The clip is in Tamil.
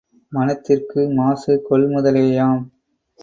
மனத்திற்கு மாசு கொள்முதலேயாம்.